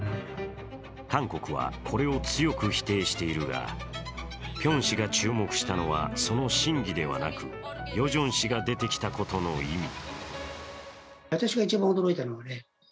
韓国はこれを強く否定しているが辺氏が注目したのはその真偽ではなく、ヨジョン氏が出てきたことの意味。